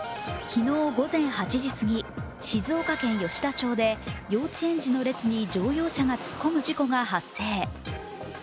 昨日午前８時過ぎ、静岡県吉田町で幼稚園児の列に乗用車が突っ込む事故が発生。